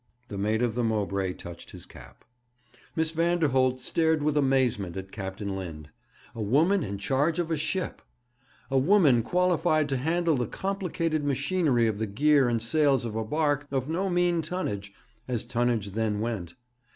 The mate of the Mowbray touched his cap. Miss Vanderholt stared with amazement at Captain Lind. A woman in charge of a ship! A woman qualified to handle the complicated machinery of the gear and sails of a barque of no mean tonnage, as tonnage then went!